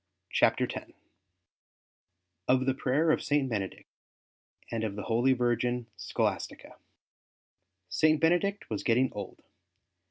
CHAPTER X OF THE PRAYER OF SAINT BENEDICT, AND OF THE HOLY VIRGIN SCHOLASTICA St. Benedict was getting old.